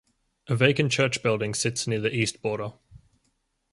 A vacant church building sits near the east border.